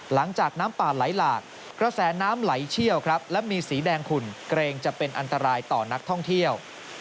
หลังจากน้ำป่าไหลหลากกระแสน้ำไหลเชี่ยวครับและมีสีแดงขุ่นเกรงจะเป็นอันตรายต่อนักท่องเที่ยว